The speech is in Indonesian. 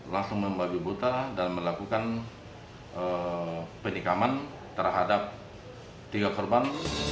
langsung membabi buta dan melakukan penikaman terhadap tiga korban